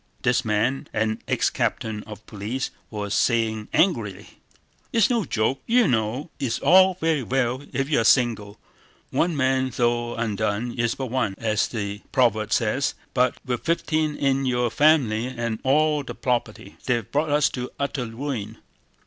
This man, an ex captain of police, was saying angrily: "It's no joke, you know! It's all very well if you're single. 'One man though undone is but one,' as the proverb says, but with thirteen in your family and all the property... They've brought us to utter ruin!